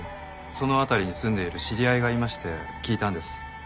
その辺りに住んでいる知り合いがいまして聞いたんです。